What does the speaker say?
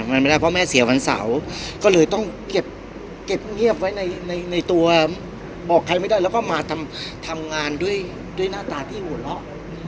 มันไม่ได้เพราะแม่เสียวันเสาร์ก็เลยต้องเก็บเงียบไว้ในในตัวบอกใครไม่ได้แล้วก็มาทำงานด้วยด้วยหน้าตาที่หัวเราะ